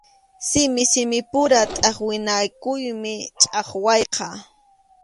Simi simipura tʼaqwinakuymi chʼaqwayqa.